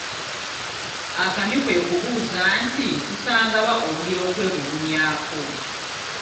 Akamyu kwe kubuuza nti, tusanga wa omuliro okwebugumyako?